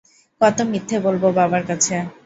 কত মিথ্যে বলব বাবার কাছে?